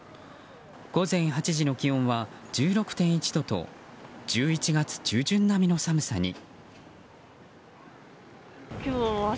午前８時の気温は１６．１度と１１月中旬並みの寒さに。